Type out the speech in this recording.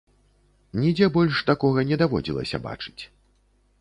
Нідзе больш такога не даводзілася бачыць.